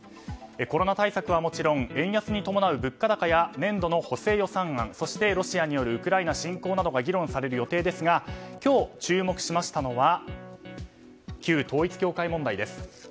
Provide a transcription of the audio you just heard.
コロナ対策はもちろん円安に伴う物価高や年度の補正予算案そしてロシアによるウクライナ侵攻などが議論される予定ですが今日、注目しましたのは旧統一教会問題です。